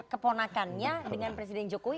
keponakannya dengan presiden jokowi